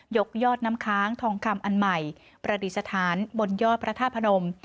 ยกยอดน้ำค้างทองคำอันใหม่ประดิษฐานบนยอดพระธาตุพนม